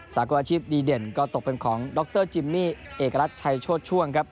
สากลอาชีพดีเด่นก็ตกเป็นของดรจิมมี่เอกรัฐชัยโชชช่วงครับ